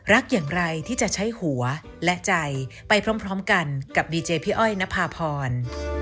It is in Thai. โปรดติดตามตอนต่อไป